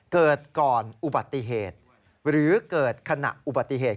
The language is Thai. เกิดก่อนอุบัติเหตุหรือเกิดขณะอุบัติเหตุ